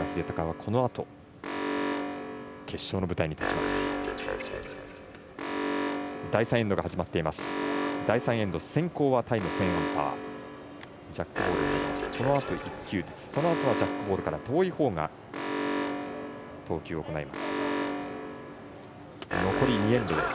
このあと１球ずつそのあとはジャックボールから遠いほうが投球を行います。